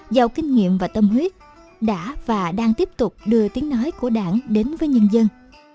giàu kinh nghiệm và tâm huyết đã và đang tiếp tục đưa tiếng nói của đảng đến với nhân dân